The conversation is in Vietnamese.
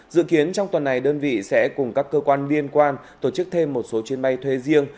dự kiến trong tuần này đơn vị sẽ cùng các cơ quan liên quan tổ chức thêm một số chuyến bay thuê riêng